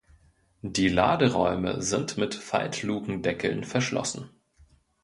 Die Laderäume sind mit Faltlukendeckeln verschlossen.